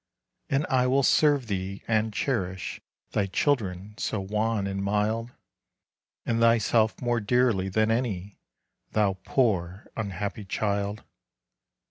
"And I will serve thee, and cherish Thy children so wan and mild. And thyself more dearly than any, Thou poor, unhappy child.